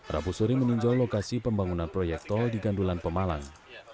rabu suri meninjau lokasi pembangunan proyek tol di gandulan pemalang